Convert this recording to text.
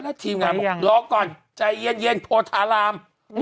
แล้วทีมงานร้องก่อนใจเย็นโพลทาราม